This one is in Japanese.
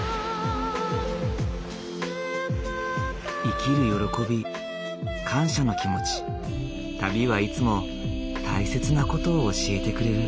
生きる喜び感謝の気持ち旅はいつも大切な事を教えてくれる。